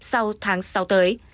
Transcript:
sau tháng sáu tới